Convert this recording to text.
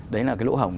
đấy là cái lỗ hồng